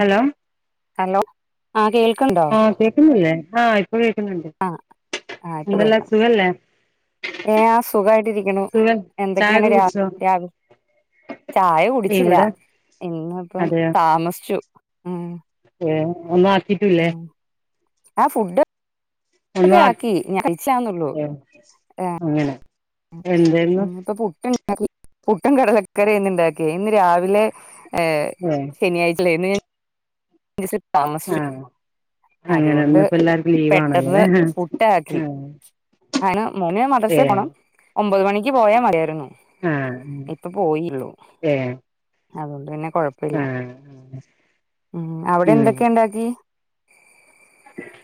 Hello hello ആ കേൾ ആ കേക്കുന്നില്ലേ ആ ആ ആ ഇപ്പൊ കേക്കാം സുഖല്ലേ ഏ സുഖായി ട്ടിരിക്കണൂ. സുഖം എന്തൊക്കെയാണ് ചായൊക്കെ കുടിച്ചോ രാവി ചായ കുടിച്ചില്ല. ഇവിടെ ഇന്ന് ഇപ്പം അതെയോ താമസിച്ചു ഉം ഒന്നും ആക്കീട്ടൂല്ലേ. ഉം ആ ഫുഡ് ഒന്നും ഒക്കെ ആ ആക്കി ഞാൻ കഴിച്ചില്ലാന്നുള്ളു ഏഹ് ഏ അങ്ങനെ എന്തായിരുന്നു ഉം ഇപ്പൊ പുട്ട് പുട്ടും കടലക്കറിയാ. ഇന്ന് ഇണ്ടാക്കിയെ. ഇന്ന് രാവിലെ ഏ ഏഹ് ശനിയാഴ്ച അല്ലേ. ഇന്ന് [unintelligible] ട്ടാ. താമസിച്ചു ആഹ് അങ്ങനെ അതുകൊണ്ട് ഇന്നിപ്പോ എല്ലാർക്കും ലീവ് ആണല്ലോല്ലേ പെട്ടന്ന് പുട്ടാക്കി. ആഹ് അങ്ങനെ മോന് മദ്രസെ ഏഹ് പോണം ഒമ്പത് മണിക്ക് പോയാ മതിയായിരുന്നു. ആഹ് ഇപ്പ പോയി ഉള്ളു. ഏഹ് അതുകൊണ്ട് തന്നെ കൊഴപ്പില്ല. ആഹ് ഉം അവിടെ എന്തൊക്കെ ഉണ്ടാക്കി?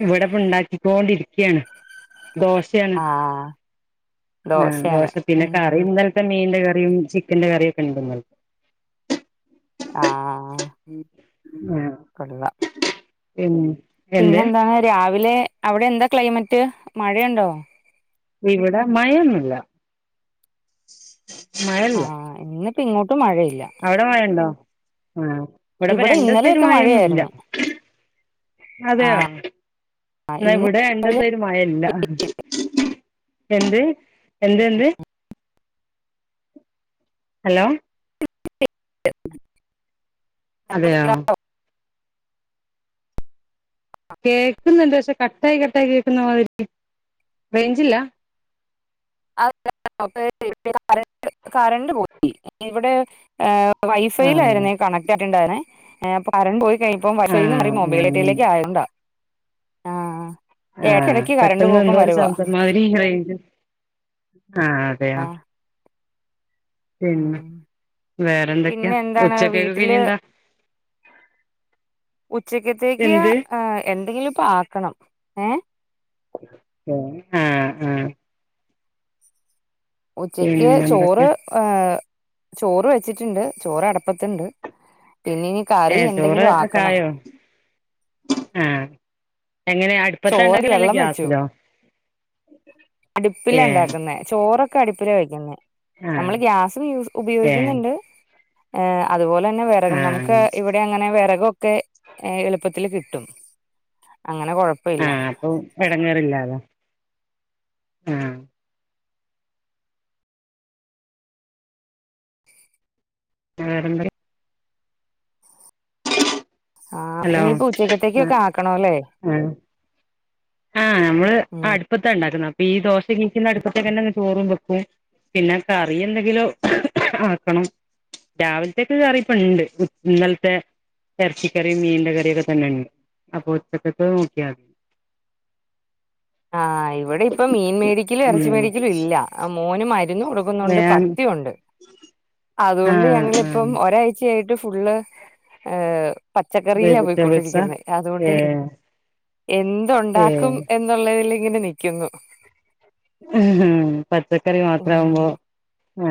ഇവിടെ ഇപ്പ ഉണ്ടാക്കിക്കൊണ്ടിരിക്കയാണ്. ദോശയാണ്. ആഹ് ആ ദോശയാണ് ദോശ പിന്നെ കറി ഉം ഇന്നലത്തെ മീന്റെ കറിയും, ചിക്കന്റെ കറിയും, ഒക്കെ ഉണ്ട് ഇന്നൽ ആ കൊള്ളാം. ഉം പിന്നെന്താ രാവിലെ അവിടെ എന്താ ക്ലൈമറ്റ്. മഴയുണ്ടോ? ഇവിടെ മഴയൊന്നൂല്ല. ആ ഇന്ന് ഇപ്പെ ഇങ്ങോട്ട് അവിടെ മഴയുണ്ടോ? ആ ഇവിടെപ്പ ഇവിടെ രണ്ടു ദിവസത്തേക്ക് ഇന്നലെയൊക്കെ മഴയൊന്നും ഇല്ല. മഴയായിരുന്നു അതെയോ. ആഹ് എന്ന ഇന്ന് ഇവിടെ രാവിലെ രണ്ടൂസായിട്ട് മഴ ഇല്ല. എന്ത് എന്ത് എന്ത് ഹലോ. [inaudible] അതെയോ. കേക്കുന്നുണ്ട് പക്ഷെ കട്ടായി, കട്ടായി കേക്കുന്ന മാതിരി. റേഞ്ചില്ല. അ [inaudible] കറണ്ട് കറണ്ട് പോയി ഇവിടെ ഏ ആഹ് വൈഫൈയിലായിരുന്നെ കണക്ട് ആയിട്ടുണ്ടായിരുന്നേ ഏ കറൻ്റ് പോയി. കഴിഞ്ഞപ്പം വൈഫൈന്ന് മാറി ആഹ് മൊബൈൽ അങ്ങനെ നെറ്റിലേക്ക് ആയതോണ്ടാ. ആഹ് കറണ്ട് പെട്ടെന്ന് പോക്കും എന്തോ ഒരു വരവാ സബ്ദം മാതിരി റേഞ്ച് ആഹ അതെയോ ആഹ് പിന്നെ ഉം വേറെ എന്തൊക്കെയാ പിന്നെ എന്താണ് ഉച്ചക്കക്കൊക്കെ ഇനി വീട്ടില് എന്താ? ഉച്ചക്കത്തേക്ക് എന്ത് ആഹ എന്തെങ്കിലും ഇപ്പൊ ആക്കണം. ഏ ഉം ആഹ ആ ഉച്ചയ്ക്ക് ചോറ്, പിന്നെന്തൊക്കെ ഏ ചോറ് വെച്ചിട്ടുണ്ട്, ചോറ്ട്പ്പത്തിണ്ട്. പിന്നെ ഇനി കറി എന്തെങ്കിലും ആക്കണം. ആഹ എങ്ങനെ അടുപ്പത്ത ചോറ് ഉണ്ടാക്കല്, അല്ല വെള്ളം വെച്ചു ഗ്യാസിലോ? അടുപ്പില ഏ ഉണ്ടാക്കുന്ന. ചോറൊക്കെ ക്കെ അടുപ്പില വെക്കുന്നെ. ആ നമ്മൾ ഗ്യാസും ഏ ഉപയോഗിക്കുന്നുണ്ട്. ഏ അത് പോലെ ന്നെ ആ വിറകം നമുക്ക് ഇവിടെ അങ്ങനെ വിറകൊക്കെ, എളുപ്പത്തിൽ കിട്ടും. ടും അങ്ങനെ കൊഴപ്പമില്ല ആഹ് അപ്പൊ എടങ്ങേറില്ലലോ, ആഹ. [unintelligible] ആഹ, ഹലോ ഇനിയിപ്പോ ആ ഉച്ചക്കത്തേക്കൊക്കെ ആക്കണല്ലേ? ആഹ്, നമ്മള് അടുപ്പത്തെ ഉണ്ടാക്കുന്ന. അപ്പൊ ഈ ദോശ കീക്കുന്ന അടുപ്പത്തെക്കന്നെ ചോറും വെക്കും. പിന്നെ കറി എന്തെങ്കിലോ ആക്കണം. രാവിൽത്തേക് കറിയിപ്പോ ഇണ്ട്. ഇന്നലത്തെ ഇറച്ചിക്കറി, മീന്റെ കറിയഒക്കെ തന്നെ ഉണ്ട്. അപ്പൊ ഉച്ചക്കത്തെ [unintelligible] ആഹ്, ഇവിടെ ഇപ്പ മീൻ മേടിക്കലും, ഇറച്ചി ഉം മേടിക്കലും ഇല്ല. മോനു [unintelligible] [unintelligible] ഏ കൊടുക്കുന്നുണ്ട് പത്തിഉണ്ട്. ആ അതുകൊണ്ട് ആ ഞങ്ങളിപ്പം ഒരാഴ്ചയായി [unintelligible] ഫുള്ള് ഹ് പച്ചക്കറിയിലാ വെജിറ്റബിൾസാ പോയിക്കൊണ്ടിരിക്കുന്നത്. അതുകൊണ്ട് ഏഹ് എന്ത് ഏഹ് ഉണ്ടാക്കും? എന്ന് [unintelligible] ഇങ്ങനെ നിക്കുന്നു. ഇഹ്. പച്ചക്കറി മാത്ര ഉം ആവുമ്പോ. ഹ്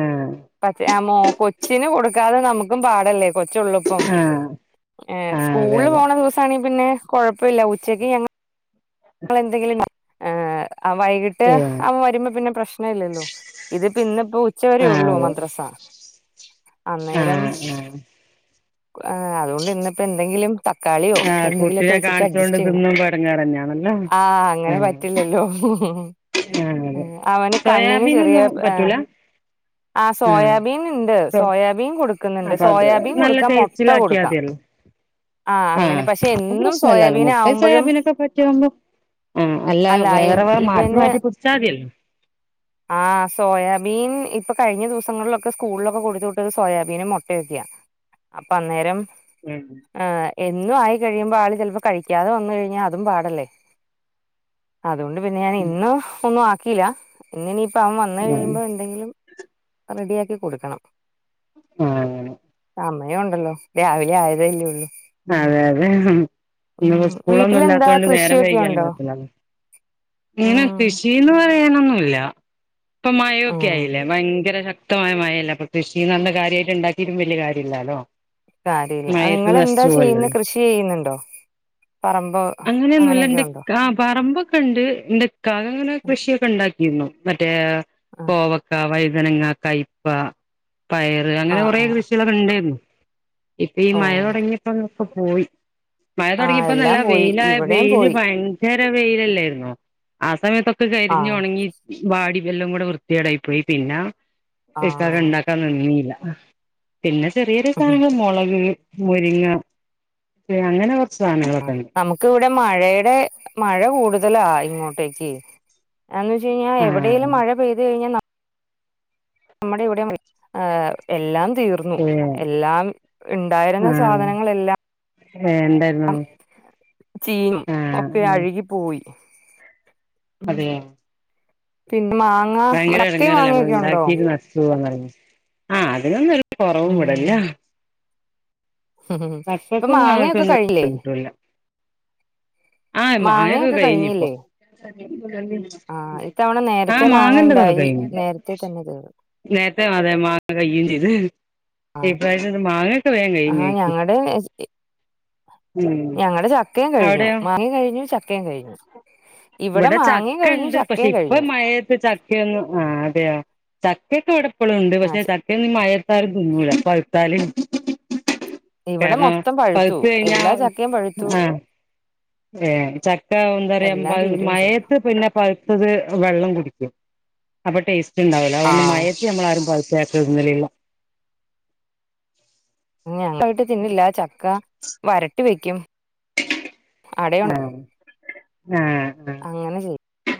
[unintelligible] കൊച്ചിന് കൊടുക്കാതെ നമുക്കും പാടല്ലേ കൊച്ച ഉള്ളൂ ഇപ്പം ആഹ് ഏ ആഹ് അതെ സ്കൂളിൽ അതെ പോണ ദിവസ ആണ പിന്നെ കുഴപ്പമില്ല ഉച്ചയ്ക്ക് ഞങ്ങ നമ്മൾ എന്തെങ്കിലും ആ ആ വൈകിട്ട് ഏഹ് അവൻ വരുമ്പോ പിന്നെ പ്രശ്ന ഇല്ലല്ലോ ഇതിപ്പ ഇന്ന ഇപ്പോ ഉച്ചവരേ ആഹ് ഉള്ളൂ അതെ മദ്രസ അന്നേരം ആഹ് ആഹ് അതുകൊണ്ട് ഇന്നത്തെ എന്തെിലും തക്കാളിയോ ആഹ് എന്തെിലക്കെ കുട്ടിനെ വെച്ചിട്ട് കാണിച്ചോണ്ട് അഡ്ജസ്റ്റ് ചെയ്യണം തിന്നുമ്പോ എടങ്ങേറന്നെയാണല്ലോ ആഹ് അങ്ങനെ ആഹ് പറ്റില്ലല്ലോ ആഹ് അതെ അവന് കണ്ണിന് ചെറിയ സോയാബീനൊന്നും ആഹ പറ്റൂല ആ ആഹ് സോയാബീൻ ഉണ്ട് സോ സോയാബീൻ കൊടുക്കുന്നുണ്ട് അപ്പൊ അത് സോയാബീൻ നല്ല കൊടുക്കാം മുട്ട ടേസ്റ്റിലാക്കിയാ കൊടുക്കാം [inaudible] അങ്ങനെ ആഹ് പക്ഷെ അപ്പൊ എന്നും പ്രശ്നല്ലല്ലോ സോയാബീൻ മുട്ട ആവുമ്പോഴും സയാബിനൊക്കെ പറ്റിയവുമ്പോ ആ അല്ല വേറെ എ- വേ മാറ്റി ഇവന് മാറ്റി പിടിച്ചാൽതില്ലോ ബീൻ ഇപ്പൊ കഴിഞ്ഞ ദിവസങ്ങളിലൊക്കെ സ്കൂളിലൊക്കെ കൊടുത്തോട്ടത് സോയാബീനും മുട്ടൊക്കെയാണ് അപ്പൊ അന്നേരം ഉം ഏഹ്, എന്നും ആയി കഴിയുമ്പോ ആള് ചിലപ്പോൾ കഴിക്കാതെ വന്നു കഴിഞാ അതും പാടല്ലേ അതുകൊണ്ട് പിന്നെ ഞാൻ ഇന്ന ഒന്നും ആക്കിയില്ല ഇന്ന ഇിനയിപ്പ അവൻ വന്ന ആഹ് കഴിയുമ്പോ എന്തെങ്കിലും റെഡിയാക്കി കൊടുക്കണം ആഹ അങ്ങനെ അമ്മയ ഉണ്ടല്ലോ രാവിലെ ആയതല്ലേ ഉള്ളൂ അതെ അതെ ഇപ്പോ ഉം സ്കൂളൊന്നും വീട്ടിലെന്താ ഇല്ലാത്തൊണ്ട് നേരം കൃഷിയൊക്കെ വേകിയാലും ഉണ്ടോ കോയിപ്പോല്ലല്ലോ ഇനെ ഉം കൃഷിന്ന് പറയാനൊന്നുമല്ല ഇപ്പൊ മഴൊക്കെ ഉം ആയില്ലേ ഭയങ്കര ശക്തി ക്തമായ മയല്ല അപ്പൊ കൃഷി നല്ല കാര്യമായിട്ട് ഉണ്ടാക്കിട്ടും വലിയ കാര്യമില്ലാലോ കാര്യമില്ല മഴയത്ത് നിങ്ങെളന്താ ചെയ്യുന്നത് കൃഷി ചെയ്യുന്നുണ്ടോ പറമ്പോ അങ്ങനെയൊന്നുമല്ല അങ്ങനെയൊക്കെ എൻറെ ഉണ്ടോ ആ് പറമ്പ് കണ്ട്ക്കാവ അങ്ങനെ ഉം, കൃഷിയൊക്കെ ഉണ്ടാക്കിരുന്നു മറ്റേ കോവക്കാവ വനങ്ങ കയപ്പ പയറ് ആ ആ അങ്ങനെ കുറെേ ആ കൃഷികളൊണ്ടെരുന്നു ഇപ്പൊ ഈ ഓ മഴ തുൊടങ്ങിയപ്പോ നൊക്കെ പോയി മഴ ആ തുടങ്ങിയപ്പോ നല്ല എല്ലാം പോയി വെയില ഇവിടെയും വെയിയില് പോയി ഭയങ്കര വെയിലല്ലായിുന്നോ ആ സമയത്തൊക്കെ ആ കരിഞ്ഞു ഉണങ്ങി വാടി വല്ലാം കൂടെ വൃത്തിയടായി പോയി പിന്നെ ആ ഇക്കകെ ഉണ്ടാക്കാൻ നന്നിയില്ല പിന്നെ ചെറിയ ചെറിയ സാധങ്ങൾ മുളക് മുരിങ്ങെ അങ്ങനെ സാധനങ്ങളൊക്കെ ഉണ്ട് നമുക്ക് ഇവിടെ മഴയുടെ മഴ കൂടുതലാ ഇങ്ങോട്ടേക്ക് എന്ന് വെ കഴിഞ്ഞാ ആഹ് എവിടേലും മഴ പെയ്ത് കഴഞ്ഞാ നമ്മുടെ ഇവിടെ എല്ലാം തീർന്നു ഏഹ് എല്ലാം ഉണ്ടായിരുന്ന ആഹ് സാധനങ്ങളെല്ലാം ഏഹ് എന്തായിരുന്നു ചീം ഒക്കെ ആഹ് അഴുകി പോയി ഉം അതെ പിന്നെ മാങ്ങ ഭയങ്കര ചക്കയും ഇടങ്ങാറില്ലേ നമ്മൾ മാങ്ങയൊക്കെ ഉണ്ടോ ഉണ്ടാക്കിട്ട് നഷുച്‌പോന്നേത് ആഹ അതിനൊന്നുംരു കൊറവും ഉം വിടല്ല ഇപ്പൊ പപ്പക്കും മാങ്ങയൊക്കെ കഴിഞ്ഞില്ലേ അങ്ങക്കൊന്നുംട്ട ആഹ് മാങ്ങൊക്കെ മാങ്ങയൊക്കെ കഴിഞ്ഞ ഇപ്പോൊ കഴിഞ്ഞില്ലേ ആഹ് ഇത്തവണ ആഹ നേരത്തെ മാങ്ങ മാങ്ങണ്ട നക്കെ ഉണ്ടായി കഴിഞ്ഞ നേരത്തെ തന്നെ തീർന്നു നേരത്തെ അതെ മാങ്ങ കയയും ചെയ്ത് ആഹ് ഇപ്പായിട്ട മാങ്ങൊക്കെ വേൻ കഴിഞ്ഞഞ്ോക്കി ഞങ്ങളടെ ചക്കയും കഴിഞ്ഞു അവിടെയോ മാങ്ങയും കഴിഞ്ഞു ചക്കയും കഴിഞ്ഞു ഇവിടെ മാങ്ങയും ചക്ക കഴിഞ്ഞു ഉണ്ട് പക്ഷെ ചക്കയും ഇപ്പ കഴിഞ്ഞു മഴയത്ത് ചക്കയൊന്നന്ന് ആ അതെയോ ചക്കയക്കെ അവിടെ എപ്പഴും ഉണ്ട് പക്ഷെ ആഹ് ചക്കൊ മയത്താലും ന്നല പഴത്താലും ഇവിടെ കാരണം മൊത്തം പഴുത്തു പഴത്ത് കഴിഞ്ഞാ എല്ലാ ചക്കയും പഴുത്തു ആഹ ഏ ചക്ക എന്താ പറയാ എല്ലാം തീരുകയും ചെയ്തു മയത്ത് പിന്നെ പഴുത്തത് വെള്ളം കുടിക്കും അപ്പൊ ടേസ്റ്റ് ഉണ്ടാവല്ലോ അതുകൊണ്ട് ആഹ് മയത്തിൽ നമ്മളാരും പ ചേക്കന്നിലല്ല ഞ [inaudible] തിന്നില്ല ചക്ക വരട്ടി വെക്കും അടയോണ ആ ആ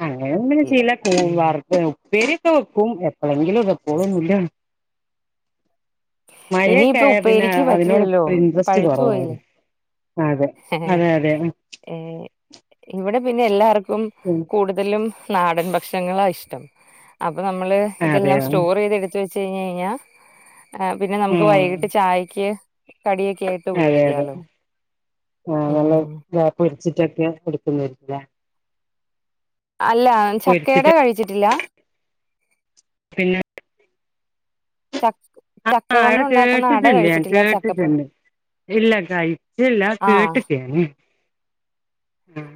അങ്ങനൊന്ന് ചില ഉം വാർത്ത പരിതവക്കും എപ്പോഴെങ്കിലും ഇതെപ്പോലും ഇല്ല മഴൊക്കെ ഇനിയിപ്പ ആ പിന്നെ ഉപ്പേരിക്ക് അതിനോട് പറ്റില്ലല്ലോ ഇൻട്രസ്റ്റ് പഴുത്തു കുറവ പോയില്ലേ അതെ അതെ അതെ ഏ ഇവിടെ പിന്നെ എല്ലാവർക്കും ഉം കൂടുതലും നാടൻ ഭക്ഷങ്ങളാ ഇഷ്ടം അപ്പോം നമ്മൾ ഇതെല്ലാം അതെയോ സ്റ്റോർ ചെയ്ത എടുത്ത് വെച്ച് ച്ചുഴിഞ്ഞ് കഴിഞ്ഞാൽ പിന്ന നമുക്ക് ഉം വൈകിട്ട് ചായക്ക് കടിയൊക്കെ ആയിട്ട് ഉപയോഗിക്കാലോ ആ നല്ല ഉം വ പൊരിച്ചിട്ടൊക്കെ കൊടുക്കുന്നില്ല അല്ല പൊരിച്ചിട്ട് ചക്കയുടെ കഴിച്ചിട്ടില്ല പിന്നെ ച ചക്ക ആ കൊണ്ട് അടെ ഉണ്ടാക്കുന്ന അട കേട്ടിട്ടുണ്ട് ഞാൻ കഴിച്ചിട്ടില്ല ചക്കപ്പഴം കേട്ടിട്ടുണ്ട് ഇല്ല കഴിച്ചില്ല ആ കേട്ടക്ക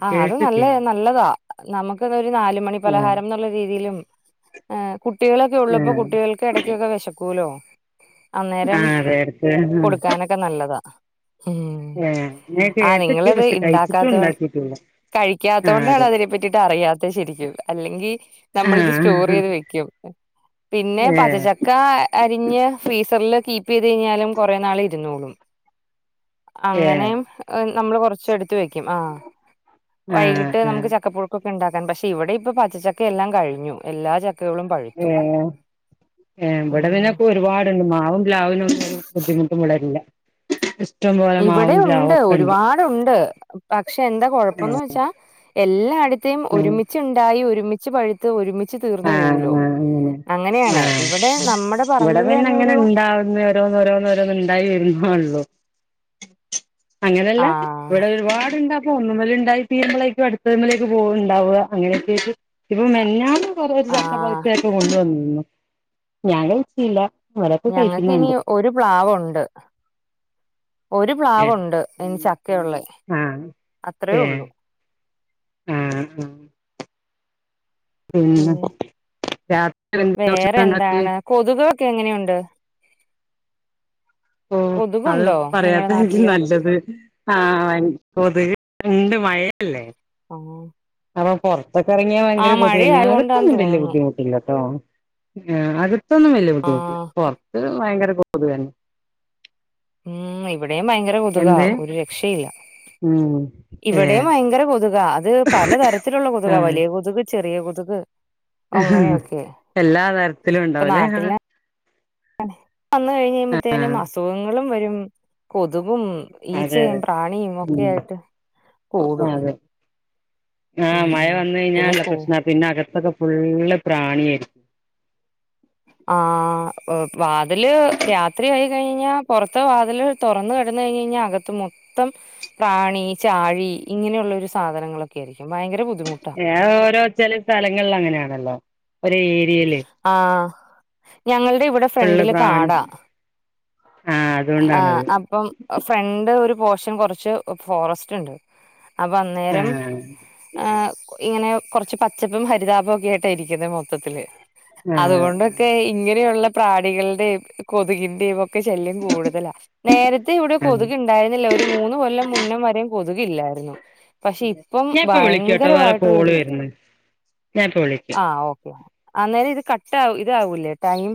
ആഹ അത് നല്ല നല്ലതാ നമുക്ക ഒരു നാല്മണി ആഹ് പലഹാര ന്നൊള്ള രീതിയിലും ഏഹ കുട്ടികളൊക്കെ ഉള്ളപ്പോൾ ആഹ് കുട്ടികൾക്ക് ഇടയ്ക്കൊക്കെ വിശക്കൂല്ലോ അന്നേരം ആഹ് അതെ അടുത്ത് ആഹ് കൊടുക്കാനൊക്കെ നല്ലതാ ഉ ഏഹ് ഞാൻ ആ കേട്ട്ക്ക് നിങ്ങളത് പക്ഷെ കഴിച്ചിട്ടും ഇണ്ടാക്കാത്തോ ഉണ്ടാക്കിട്ടില്ല ആഹ് കഴിക്കാത്തോണ്ടാണ് അതെ അതിനെ പറ്റിട്ട് അറിയാത്ത ശരിക്കും അല്ലെങ്കിൽ നമ്മളിത് സ്റ്റോർ ആഹ് ചെയ്ത് വെ ക്കും പിന്നെ ഏഹ് പചാച്ചക്ക അറിഞ്ഞു [unintelligible] കഴഞ്ഞാലും കുറേ നാൾ ഇരുന്നളും അങ്ങനെ ഏഹ് നമ്മൾ കൊറചെട് വയ്ക്കും ആ..... ആഹ് വൈകിട്ട് നമുക്ക് ആഹ് ചക്കപ്പുഴുക്കൊക്കെ ഉണ്ടാക്കാൻ പക്ഷെ ഇവിടെ ഇപ്പൊ പച്ചക്ക എല്ലാം കഴിഞ്ഞു എല്ലാ...... ചക്കകളും ഏ പഴുത്തു ഏ ഉം ഇവിടെപിന്നെ ഒരുപാടുണ്ട്..... അതിനൊന്നും ബുദ്ധിമുട്ടും വളരില്ല..... ഇവിടെ ഉണ്ട് ഒരുപാടുണ്ട് പക്ഷെ എന്താ കൊഴപ്പന്ന് വെച്ചാ....... എല്ലായിടത്തേും ഉം ഒരുമിച്ചുണ്ടായി ഒരുമിച്ച് പഴുത്ത് ഒരുമിച്ച് തീർന്നു പോവൂലോ.... ആ ഇവിടെ പറമ്പില് പിന്നെ തന്നെ അങ്ങനെ ഒരു ഉണ്ടാവുന്ന ഓരോന്നൊരോന്നൊരോന്ന് ണ്ടായി വരുന്നു..... ഒള്ളു അങ്ങനല്ല ആഹ് ഇവിടെ ഒരുപാടുണ്ട..... ഇ ഒന്നുമല ഇണ്ടായി തീമ്പോളായ്രിക്കും അടുത്ത തമ്മലേക്ക് പോണ്ടാവുക അങ്ങനെയൊക്കെയിട്ട് ഇപ്പൊ മെഞാന്.... ചക്ക ആഹ് പഴുതത്തോക്കെ കൊണ്ടുവന്നിന്നു ഞാൻ വിച്ചില്ല ഞങ്ങൾക്കിനി ഒരു പ്ലാവ്വോ ണ്ട്...... ഒരു പ്ലാവ്ണ്ട് ഇനി ചക്കയൊള്ളേ ആഹ് അത്രയേ ഉള്ളൂ.... ആഹ ആ ഉം..... പിന്നെ രാത്രി എന്ത് വേറെ ദോഷണ്ടാക്ക..... എന്താണ് കൊതുകൊക്കെ എങ്ങനെയുണ്ട്? ഓ അത് കൊതുകുണ്ടോ നിങ്ങളെ പറയാത്ത എനിക്ക് നാട്ടില്? നല്ലത് ആ എനിത്..... ഉണ്ട് മഴയല്ലെ ആഹ് അപ്പൊ പുറത്തൊക്കെ ഇറങ്ങിയാ ഭയങ്കര ആഹ് മഴ കൊതന്നെ ആയോണ്ടാന്ന് അകത്തൊന്നുംവല്യ തോന്നുന്നു. ബുദ്ധിമുട്ടില്ലട്ടോ.... ഇതൊന്നും വലിയ ബുദ്ധിമുട്ടില്ല ആഹ് പുറത്ത് ഭയങ്കര കോ അന്ന... ഉം ഇവിടെയും ഭയങ്കര കൊതുകാ എന്ത് ഒരു രക്ഷയില്ല...... ഉം ഏ ഇവിടെയും ഭയങ്കര കൊതുകാ അത് പലതരത്തിലുള്ള ആ കൊതുകാ വലിയ കൊതുക് ചെറിയ കൊതുക്.... അങ്ങനെയൊക്കെ എല്ലാ തരത്തിലും ഇപ്പൊ ഉണ്ടാവൂലേ ആ നാട്ടില്.... വന്ന കഴിഞ്ഞ്പോത്തേനും അസുഖങ്ങളും വരും..... തവും അതെ ഈച്ചയും അതെ പ്രാണിയും ഒക്കെ ഉം ആയിട്ട് കൂട...... ആഹ മഴ വന്ന കഴിഞ്ഞാല്ല പ്രശ്ന പിന്നെ അകത്തൊക്കെ ഫുള് പ്രാണിയായിരിക്കും... ആഹ് വാതില് രാത്രി ആയി കഴിഞ്ഞാ പുറത്ത വാതില് തുറന്ന ക ഴിഞ്ഞാൽ അകത്ത് മൊത്തം പ്രാണി ചാഴി ഇങ്ങനെയുള്ള ഒരു സാധനങ്ങളൊക്കെ ആയിരിക്കും ഭയങ്കര ബു ഏഹ് ഓരോ ചെല സ്ഥലങ്ങളിൽ അങ്ങനെയാണല്ലോ ഒരോ ഏരിയയില് ആഹ് ഞങ്ങളുടെ ഇവിടെ ഫുള്ള് ഫ്രണ്ടില് പ്രാണി കാടാ. ആഹ് അതുകൊണ്ടാണത് ആഹ് അപ്പം ഫ്രണ്ട്..... പോഷൻ കുറച്ച് ഫോറസ്റ്റ് ഉണ്ട്. അപ്പം അന്നേരം ആഹ് ഇങ്ങനെ. കുറച്ച് പച്ചപ്പും ഹരിതാപും ഒക്കെ ആട്ടായിരിക്കുന്നത് മൊത്തത്തി. ആഹ് അതുകൊണ്ടൊക്കെ ഇങ്ങനെയുള്ള പ്രാണികളുടെയും കൊതുകിന്റെയും ഒക്കെ ശല്യം കൂടുതലാ നേരത്തെ ഇവിടെ ആഹ് കൊതുക് ഉണ്ടായിരുന്നില്ല ഒരു മൂന്ന് കൊല്ലം മുന്നവരെ കൊതുക്കില്ലായിരുന്നു പക്ഷെ ഇപ്പം ഞാൻ ഇപ്പ വിളിക്കട്ടോ വേറെ കോള് ഭയങ്കരമായിട്ടുള്ളതി വരുന്ന് ഞാൻ ഇപ്പ വിളിക്ക ആഹ് ഓക്കെ അന്നേരം ഇത് കട്ട ആഹ് ഇതാവൂലേ ടൈം.